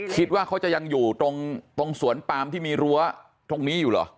คิดว่าเขาจะยังอยู่ตรงสวนปามที่มีรั้วตรงนี้อยู่เหรอ